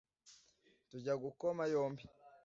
tujya gukoma yombi